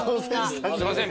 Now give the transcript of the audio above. すいません